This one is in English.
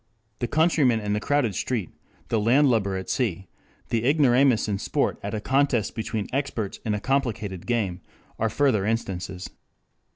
The countryman in the crowded street, the landlubber at sea, the ignoramus in sport at a contest between experts in a complicated game, are further instances.